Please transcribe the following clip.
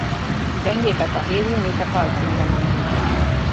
Gyengébbek a hélium és a kalcium vonalai.